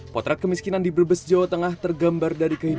potrat kemiskinan di brebes jowa tengah